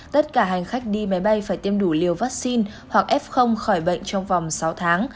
tất cả hành khách đi máy bay phải tiêm đủ liều vaccine hoặc f khỏi bệnh trong vòng sáu tháng